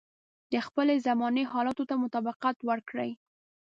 د خپلې زمانې حالاتو ته مطابقت ورکړي.